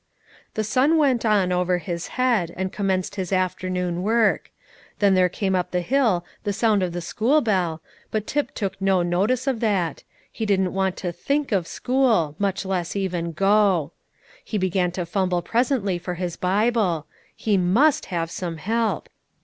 The sun went on over his head, and commenced his afternoon work; then there came up the hill the sound of the school bell, but Tip took no notice of that; he didn't want to think of school, much less even go. He began to fumble presently for his Bible, he must have some help.